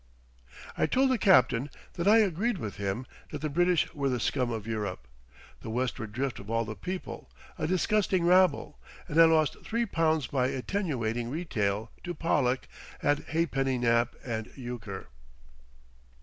I told the captain that I agreed with him that the British were the scum of Europe, the westward drift of all the people, a disgusting rabble, and I lost three pounds by attenuated retail to Pollack at ha'penny nap and euchre.